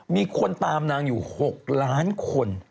มีคนตามนางอยู่๖ล้านคน